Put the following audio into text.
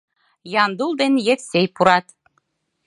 Яндул ден Евсей пурат.